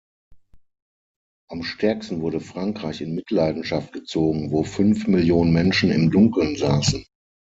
Am stärksten wurde Frankreich in Mitleidenschaft gezogen, wo fünf Millionen Menschen im Dunkeln saßen.